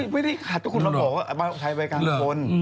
ไม่ได้ขัดทุกคนมาบอกว่าใช้ใบกางบน